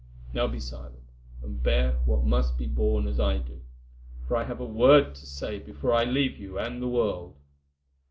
Now be silent, and bear what must be borne as I do, for I have a word to say before I leave you and the world.